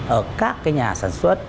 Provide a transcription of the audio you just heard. ở các nhà sản xuất